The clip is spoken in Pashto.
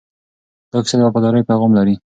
دا کیسه د وفادارۍ پیغام لري.